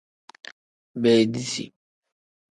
Beediti.